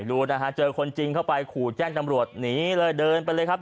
รู้นะฮะเจอคนจริงเข้าไปขู่แจ้งจำรวจหนีเลยเดินไปเลยครับ